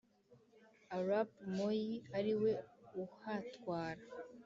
arap moyi ari we uhatwara